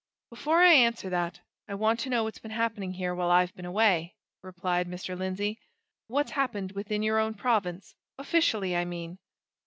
"Before I answer that, I want to know what's been happening here while I've been away," replied Mr. Lindsey. "What's happened within your own province officially, I mean?"